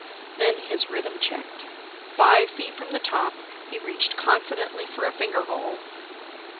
Then his rhythm checked. Five feet from the top, he reached confidently for a finger hole